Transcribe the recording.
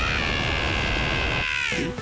えっ？